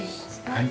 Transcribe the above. はい。